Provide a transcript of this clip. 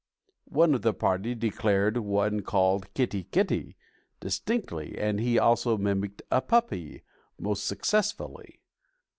One of the party declared one called Kitty, Kitty! distinctly, and he also mimmicked a puppy most successfully.